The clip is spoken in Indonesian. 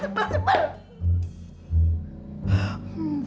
sebel sebel sebel